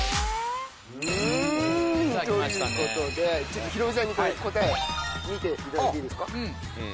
ん！ということでヒロミさんに答え見ていただいていいですか？